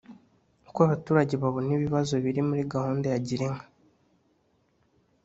Uko abaturage babona ibibazo biri muri gahunda ya girinka